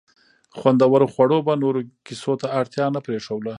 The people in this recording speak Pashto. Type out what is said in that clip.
خوندورو خوړو به نورو کیسو ته اړتیا نه پرېښوده.